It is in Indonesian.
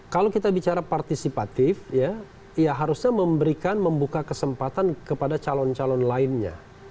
kalau kita bicara partisipatif ya harusnya memberikan membuka kesempatan kepada calon calon lainnya